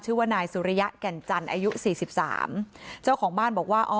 ชื่อว่านายสุริยะแก่นจันทร์อายุ๔๓เจ้าของบ้านบอกว่า